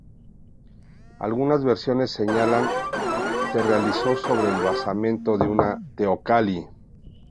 Algunas versiones señalan se realizó sobre el basamento de una teocalli.